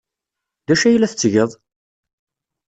D acu ay la tettgeḍ?